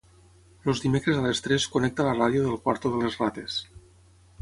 Els dimecres a les tres connecta la ràdio del quarto de les rates.